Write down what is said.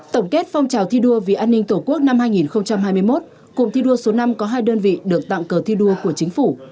tổng kết phong trào thí đua vì an ninh tổ quốc năm hai nghìn hai mươi một cục thí đua số năm có hai đơn vị được tặng cờ thí đua của chính phủ